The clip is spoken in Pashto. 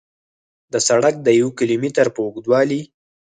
د سړک د یو کیلو متر په اوږدوالي